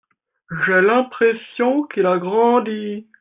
j'ai l'impression qu'il a grandi.